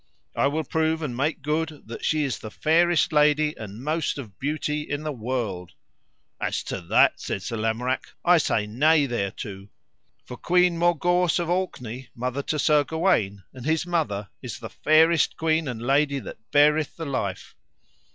I will prove and make good that she is the fairest lady and most of beauty in the world. As to that, said Sir Lamorak, I say nay thereto, for Queen Morgawse of Orkney, mother to Sir Gawaine, and his mother is the fairest queen and lady that beareth the life.